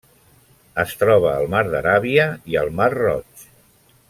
Es troba al Mar d'Aràbia i al Mar Roig.